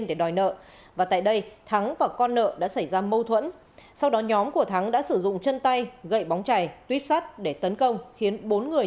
xin chào và hẹn gặp lại